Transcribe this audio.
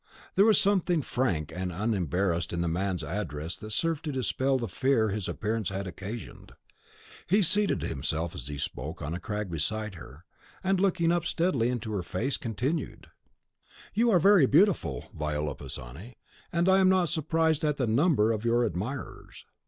There was something frank and unembarrassed in the man's address that served to dispel the fear his appearance had occasioned. He seated himself, as he spoke, on a crag beside her, and, looking up steadily into her face, continued: "You are very beautiful, Viola Pisani, and I am not surprised at the number of your admirers.